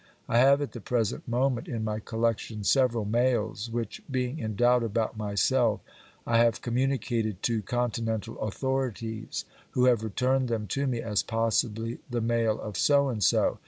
I have at the present moment in my collection several males, which, being in doubt about myself, I have communicated to continental authorities, who have returned them to me as possibly the male of so and so!